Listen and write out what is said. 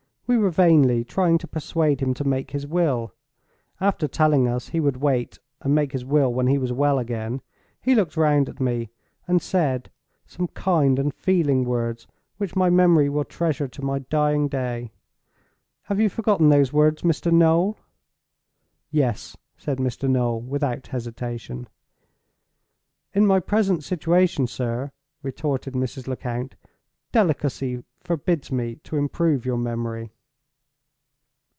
We were vainly trying to persuade him to make his will. After telling us he would wait and make his will when he was well again, he looked round at me, and said some kind and feeling words which my memory will treasure to my dying day. Have you forgotten those words, Mr. Noel?" "Yes," said Mr. Noel, without hesitation. "In my present situation, sir," retorted Mrs. Lecount, "delicacy forbids me to improve your memory."